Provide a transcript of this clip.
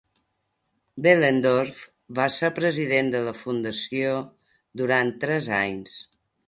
Behlendorf va ser president de la fundació durant tres anys.